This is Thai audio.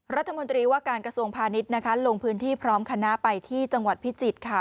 รัฐมนตรีว่าการกระทรวงพาณิชย์นะคะลงพื้นที่พร้อมคณะไปที่จังหวัดพิจิตรค่ะ